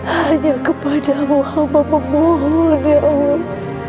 hanya kepadamu hamba memohon ya allah